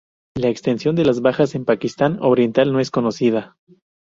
La extensión de las bajas en Pakistán Oriental no es conocida.